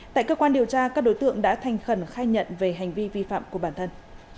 tại cơ quan điều tra các đối tượng đã thành khẩn khai nhận về hành vi vi phạm của bản thân